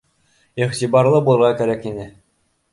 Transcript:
Иғтибарлы булырға кәрәк ине.